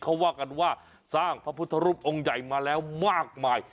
เขาว่ากันว่าสร้างพระพุทธรูปองค์ใหญ่มาแล้วมากมาย